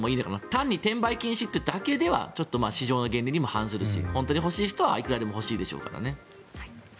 単に転売禁止というだけでは市場の原理にも反するし本当に欲しい人はいくらでも欲しいでしょうからね。